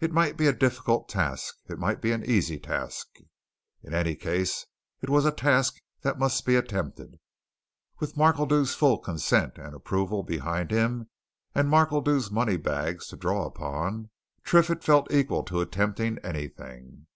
It might be a difficult task; it might be an easy task in any case, it was a task that must be attempted. With Markledew's full consent and approval behind him and Markledew's money bags to draw upon, Triffitt felt equal to attempting anything.